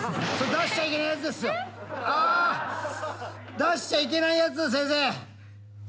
出しちゃいけないやつ先生！